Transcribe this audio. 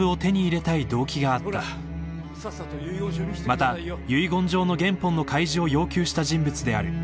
［また遺言状の原本の開示を要求した人物である］